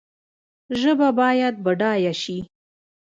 ژبه باید بډایه سي